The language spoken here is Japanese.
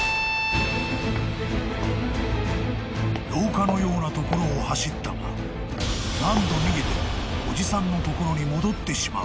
［廊下のような所を走ったが何度逃げてもおじさんの所に戻ってしまう］